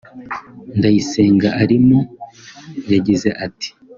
Nzayisenga arimo yagize ati